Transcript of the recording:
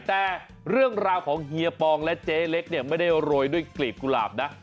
แต่เรื่องราวของเฮียปองและเจ๊เล็กเนี่ยไม่ได้โรยด้วยกลีบกุหลาบนะ